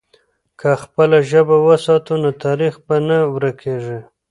که خپله ژبه وساتو، نو تاریخ به نه ورکېږي.